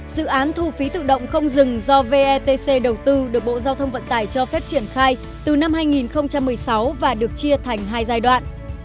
dự án thu phí tự động không dừng do vetc đầu tư được bộ giao thông vận tải cho phép triển khai từ năm hai nghìn một mươi sáu và được chia thành hai giai đoạn